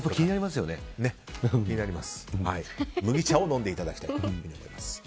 麦茶を飲んでいただきたいということです。